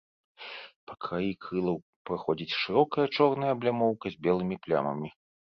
Па краі крылаў праходзіць шырокая чорная аблямоўка з белымі плямамі.